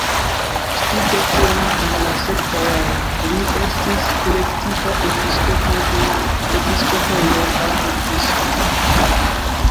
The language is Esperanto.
Spite tion en la sekva jaro li estis elektita episkopo de episkopejo apud-Tiso.